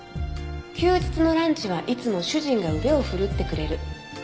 「休日のランチはいつも主人が腕をふるってくれる」